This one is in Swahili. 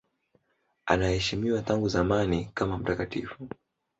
Anaheshimiwa tangu zamani kama mtakatifu.